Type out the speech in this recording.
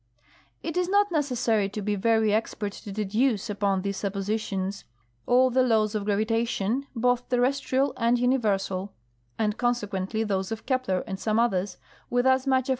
It is not necessary to be very expert to deduce upon these Suppositions all the laws of gravitation, both terrestrial and universal (and consequently those of Kepler and some others), with as much of 160 THE THEORY OF GRAVITATION.